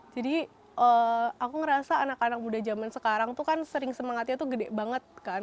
jadi aku ngerasa anak anak muda zaman sekarang tuh kan sering semangatnya tuh gede banget kan